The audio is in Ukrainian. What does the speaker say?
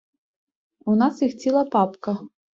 У нас їх ціла папка.